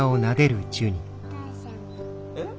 えっ？